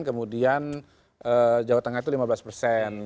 kemudian jawa tengah itu lima belas persen